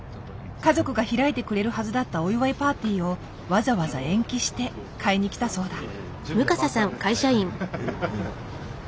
家族が開いてくれるはずだったお祝いパーティーをわざわざ延期して買いに来たそうだ。